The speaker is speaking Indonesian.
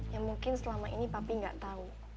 yang mungkin selama ini papi nggak tahu